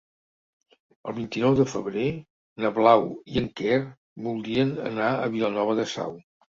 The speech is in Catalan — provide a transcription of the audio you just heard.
El vint-i-nou de febrer na Blau i en Quer voldrien anar a Vilanova de Sau.